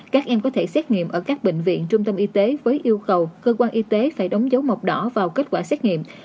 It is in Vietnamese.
các em có thể xét nghiệm ở các bệnh viện trung tâm y tế với yêu cầu cơ quan y tế phải đóng dấu màu đỏ vào kết quả xét nghiệm